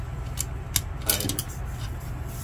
qaiq